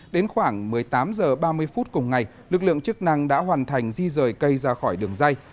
đến khoảng một mươi tám h ba mươi phút cùng ngày lực lượng chức năng đã hoàn thành di rời cây ra khỏi đường dây